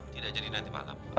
tidak jadi nanti malam